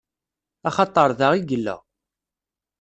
Axaṭeṛ da i yella.